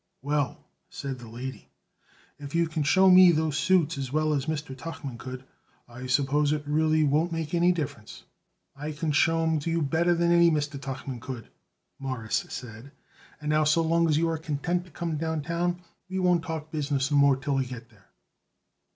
"Well," said the lady, "if you can show me those suits as well as Mr. Tuchman could, I suppose it really won't make any difference." "I can show 'em to you better than Mr. Tuchman could," Morris said; "and now so long as you are content to come downtown we won't talk business no more till we get there."